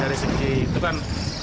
dari segi itu kan